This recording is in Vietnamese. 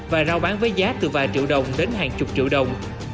và rao bán với giá từ vài triệu đồng đến hàng chục triệu đồng